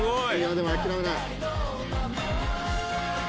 でも諦めない。